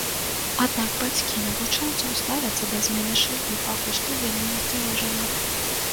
Аднак бацькі навучэнцаў ставяцца да змены шыльды пакуль што вельмі насцярожана.